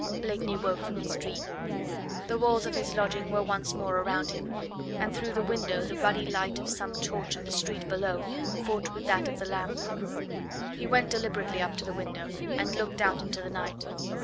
Blakeney woke from his dream. The walls of his lodging were once more around him, and through the window the ruddy light of some torch in the street below fought with that of the lamp. He went deliberately up to the window and looked out into the night.